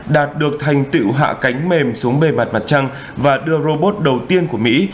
đạt được thành tựu hạ cánh mềm xuống bề mặt mặt trăng và đưa robot đầu tiên của mỹ